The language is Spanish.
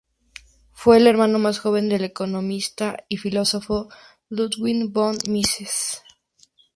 Fue el hermano más joven del economista y filósofo Ludwig von Mises.